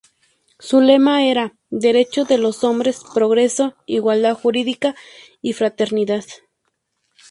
Su lema era: "Derechos de los hombres, progreso, igualdad jurídica y fraternidad".